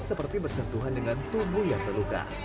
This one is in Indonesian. seperti bersentuhan dengan tubuh yang terluka